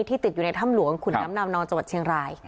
ติดอยู่ในถ้ำหลวงขุนน้ำนางนอนจังหวัดเชียงราย